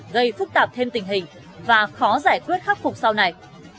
gây phức tạp thêm tình hình và khó giải quyết khắc phục sau này